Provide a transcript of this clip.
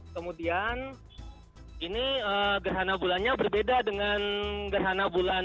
kemudian ini gerhana bulannya berbeda dengan gerhana bulan